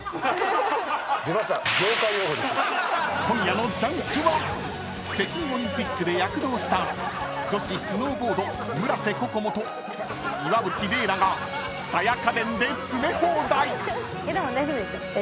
［今夜の『ジャンク』は北京オリンピックで躍動した女子スノーボード村瀬心椛と岩渕麗楽が蔦屋家電で詰め放題！］